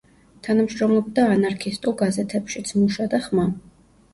თანამშრომლობდა ანარქისტულ გაზეთებშიც „მუშა“ და „ხმა“.